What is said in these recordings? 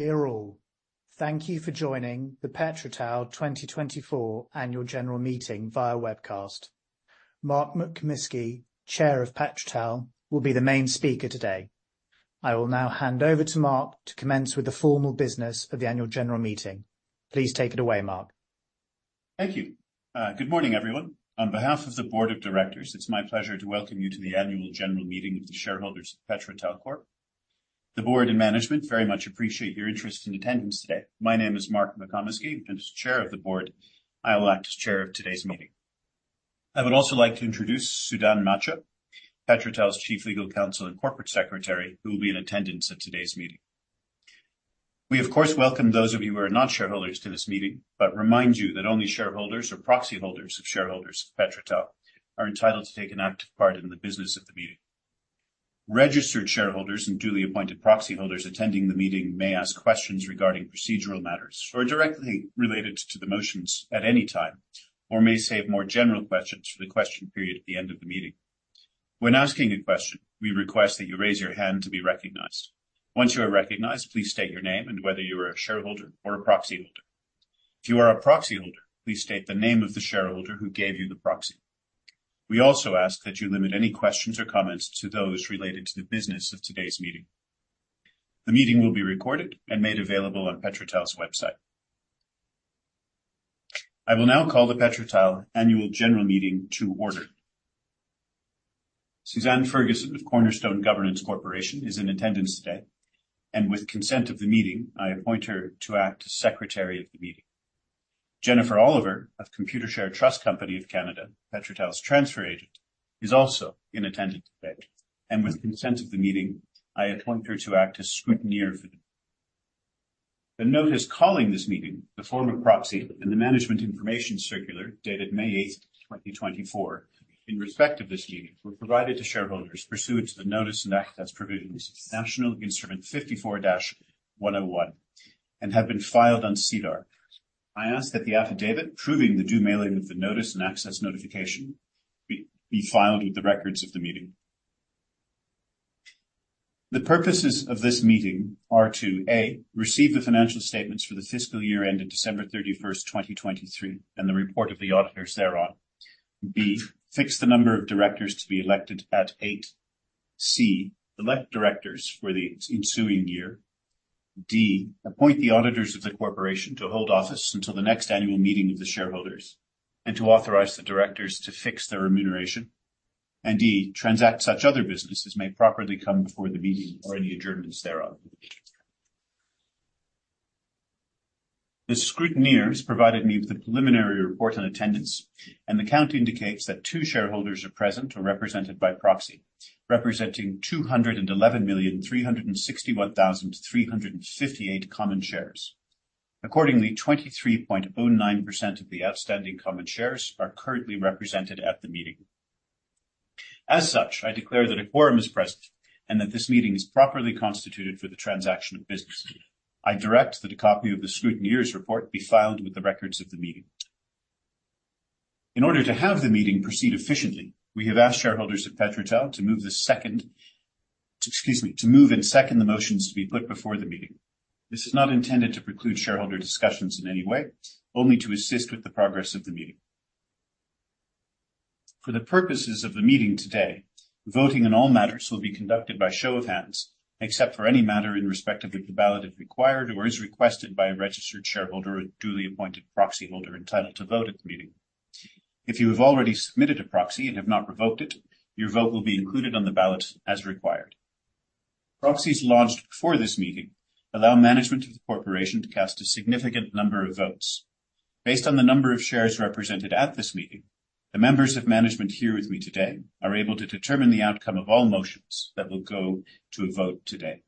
Errol, thank you for joining the PetroTal 2024 Annual General Meeting via webcast. Mark McComiskey, Chair of PetroTal, will be the main speaker today. I will now hand over to Mark to commence with the formal business of the Annual General Meeting. Please take it away, Mark. Thank you. Good morning, everyone. On behalf of the Board of Directors, it's my pleasure to welcome you to the Annual General Meeting of the shareholders of PetroTal Corp. The board and management very much appreciate your interest and attendance today. My name is Mark McComiskey, and as Chair of the Board, I'll act as Chair of today's meeting. I would also like to introduce Sudan Maccio, PetroTal's Chief Legal Counsel and Corporate Secretary, who will be in attendance at today's meeting. We, of course, welcome those of you who are not shareholders to this meeting, but remind you that only shareholders or proxy holders of shareholders of PetroTal are entitled to take an active part in the business of the meeting. Registered shareholders and duly appointed proxy holders attending the meeting may ask questions regarding procedural matters or directly related to the motions at any time, or may save more general questions for the question period at the end of the meeting. When asking a question, we request that you raise your hand to be recognized. Once you are recognized, please state your name and whether you are a shareholder or a proxy holder. If you are a proxy holder, please state the name of the shareholder who gave you the proxy. We also ask that you limit any questions or comments to those related to the business of today's meeting. The meeting will be recorded and made available on PetroTal's website. I will now call the PetroTal Annual General Meeting to order. Suzanne Ferguson of Cornerstone Governance Corporation is in attendance today, and with consent of the meeting, I appoint her to act as Secretary of the Meeting. Jennifer Oliver of Computershare Trust Company of Canada, PetroTal's transfer agent, is also in attendance today, and with consent of the meeting, I appoint her to act as Scrutineer for the meeting. The notice calling this meeting, the form of proxy, and the management information circular dated May 8th, 2024, in respect of this meeting, were provided to shareholders pursuant to the notice and access provisions of National Instrument 54-101 and have been filed on SEDAR. I ask that the affidavit proving the due mailing of the notice and access notification be filed with the records of the meeting. The purposes of this meeting are to: A, receive the financial statements for the fiscal year ended December 31st, 2023, and the report of the auditors thereon. B, fix the number of directors to be elected at eight. C, elect directors for the ensuing year. D, appoint the auditors of the corporation to hold office until the next annual meeting of the shareholders and to authorize the directors to fix their remuneration. And E, transact such other business as may properly come before the meeting or any adjournments thereon. The scrutineers provided me with a preliminary report on attendance, and the count indicates that two shareholders are present or represented by proxy, representing 211,361,358 common shares. Accordingly, 23.09% of the outstanding common shares are currently represented at the meeting. As such, I declare that a quorum is present and that this meeting is properly constituted for the transaction of business. I direct that a copy of the scrutineer's report be filed with the records of the meeting. In order to have the meeting proceed efficiently, we have asked shareholders of PetroTal to move the second, excuse me, to move and second the motions to be put before the meeting. This is not intended to preclude shareholder discussions in any way, only to assist with the progress of the meeting. For the purposes of the meeting today, voting on all matters will be conducted by show of hands, except for any matter in respect of the ballot if required or is requested by a registered shareholder or duly appointed proxy holder entitled to vote at the meeting. If you have already submitted a proxy and have not revoked it, your vote will be included on the ballot as required. Proxies lodged before this meeting allow management of the corporation to cast a significant number of votes. Based on the number of shares represented at this meeting, the members of management here with me today are able to determine the outcome of all motions that will go to a vote today.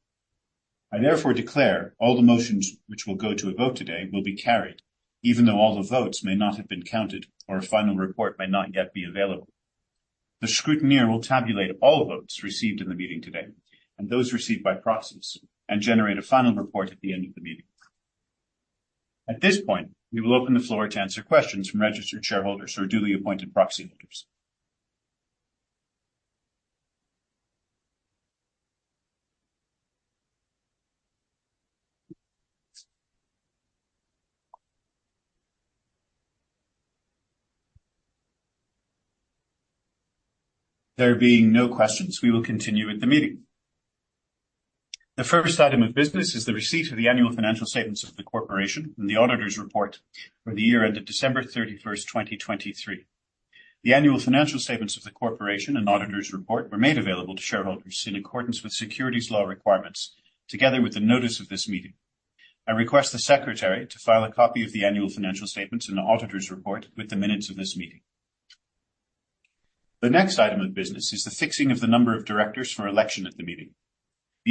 I therefore declare all the motions which will go to a vote today will be carried, even though all the votes may not have been counted or a final report may not yet be available. The Scrutineer will tabulate all votes received in the meeting today and those received by proxies and generate a final report at the end of the meeting. At this point, we will open the floor to answer questions from registered shareholders or duly appointed proxy holders. There being no questions, we will continue with the meeting. The first item of business is the receipt of the annual financial statements of the corporation and the auditor's report for the year ended December 31st, 2023. The annual financial statements of the corporation and auditor's report were made available to shareholders in accordance with securities law requirements, together with the notice of this meeting. I request the secretary to file a copy of the annual financial statements and the auditor's report with the minutes of this meeting. The next item of business is the fixing of the number of directors for election at the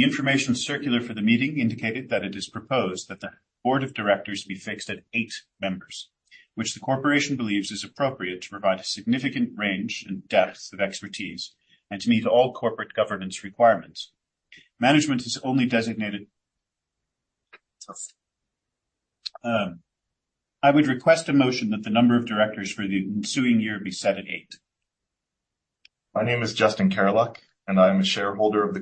meeting. The information circular for the meeting indicated that it is proposed that the board of directors be fixed at eight members, which the corporation believes is appropriate to provide a significant range and depth of expertise and to meet all corporate governance requirements. Management has only designated. I would request a motion that the number of directors for the ensuing year be set at eight. My name is Justin Kereluk, and I am a shareholder of the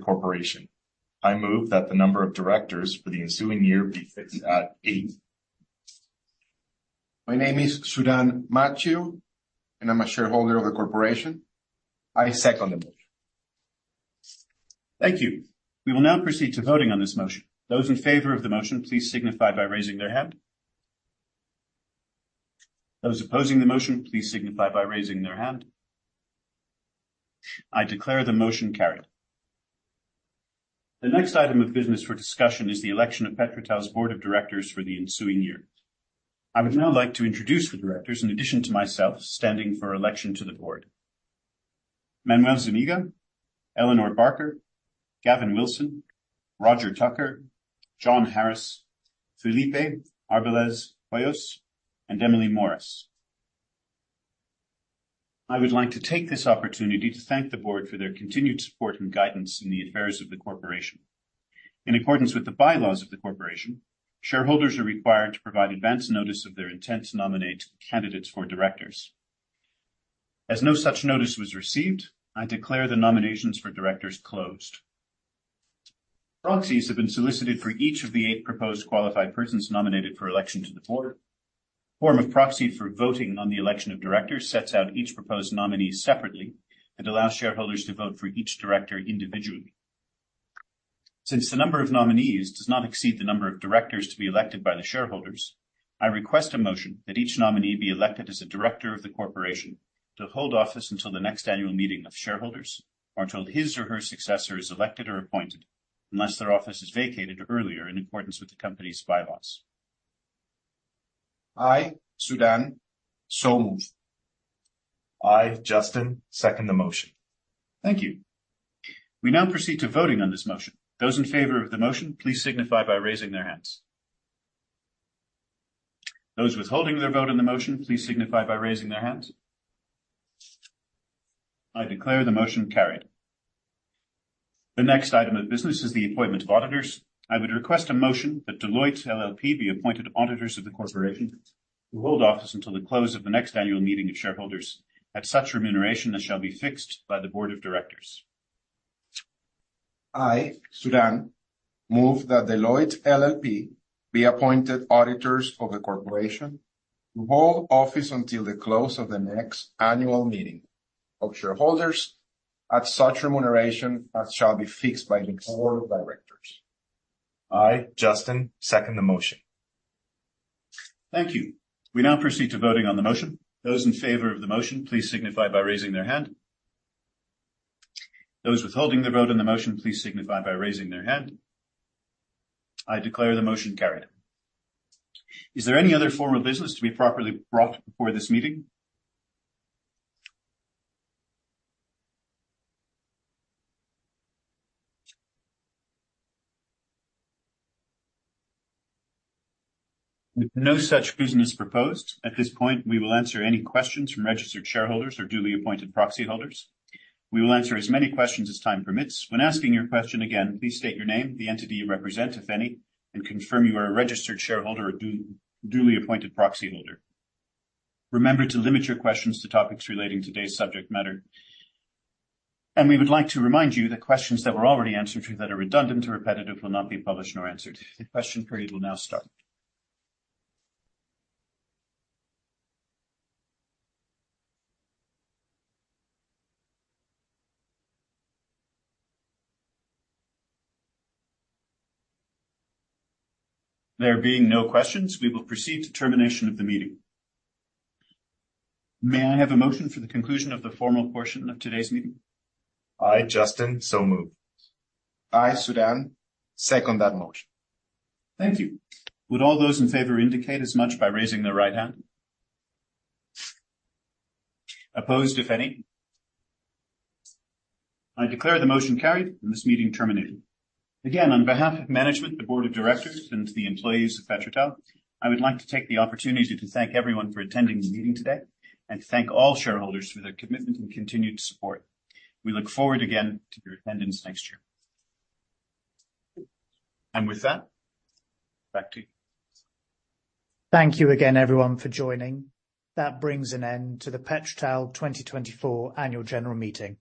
corporation. I move that the number of directors for the ensuing year be fixed at eight. My name is Sudan Maccio, and I'm a shareholder of the corporation. I second the motion. Thank you. We will now proceed to voting on this motion. Those in favor of the motion, please signify by raising their hand. Those opposing the motion, please signify by raising their hand. I declare the motion carried. The next item of business for discussion is the election of PetroTal's board of directors for the ensuing year. I would now like to introduce the directors in addition to myself, standing for election to the board: Manuel Zúñiga, Eleanor Barker, Gavin Wilson, Roger Tucker, Jon Harris, Felipe Arbelaez Hoyos, and Emily Morris. I would like to take this opportunity to thank the board for their continued support and guidance in the affairs of the corporation. In accordance with the bylaws of the corporation, shareholders are required to provide advance notice of their intent to nominate candidates for directors. As no such notice was received, I declare the nominations for directors closed. Proxies have been solicited for each of the eight proposed qualified persons nominated for election to the board. Form of proxy for voting on the election of directors sets out each proposed nominee separately and allows shareholders to vote for each director individually. Since the number of nominees does not exceed the number of directors to be elected by the shareholders, I request a motion that each nominee be elected as a director of the corporation to hold office until the next annual meeting of shareholders or until his or her successor is elected or appointed, unless their office is vacated earlier in accordance with the company's bylaws. I, Sudan, so move. I, Justin, second the motion. Thank you. We now proceed to voting on this motion. Those in favor of the motion, please signify by raising their hands. Those withholding their vote on the motion, please signify by raising their hands. I declare the motion carried. The next item of business is the appointment of auditors. I would request a motion that Deloitte LLP be appointed auditors of the corporation to hold office until the close of the next annual meeting of shareholders at such remuneration as shall be fixed by the board of directors. I, Sudan, move that Deloitte LLP be appointed auditors of the corporation to hold office until the close of the next annual meeting of shareholders at such remuneration as shall be fixed by the board of directors. I, Justin, second the motion. Thank you. We now proceed to voting on the motion. Those in favor of the motion, please signify by raising their hand. Those withholding their vote on the motion, please signify by raising their hand. I declare the motion carried. Is there any other form of business to be properly brought before this meeting? With no such business proposed, at this point, we will answer any questions from registered shareholders or duly appointed proxy holders. We will answer as many questions as time permits. When asking your question again, please state your name, the entity you represent, if any, and confirm you are a registered shareholder or duly appointed proxy holder. Remember to limit your questions to topics relating to today's subject matter. We would like to remind you that questions that were already answered to that are redundant or repetitive will not be published nor answered. The question period will now start. There being no questions, we will proceed to termination of the meeting. May I have a motion for the conclusion of the formal portion of today's meeting? I, Justin, so move. I, Sudan, second that motion. Thank you. Would all those in favor indicate as much by raising their right hand? Opposed, if any? I declare the motion carried and this meeting terminated. Again, on behalf of management, the board of directors, and the employees of PetroTal, I would like to take the opportunity to thank everyone for attending the meeting today and to thank all shareholders for their commitment and continued support. We look forward again to your attendance next year. With that, back to you. Thank you again, everyone, for joining. That brings an end to the PetroTal 2024 Annual General Meeting.